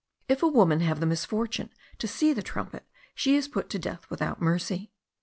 If a woman have the misfortune to see the trumpet, she is put to death without mercy.